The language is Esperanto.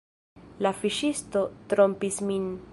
"La fiŝisto trompis min."